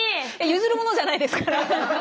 譲るものじゃないですから。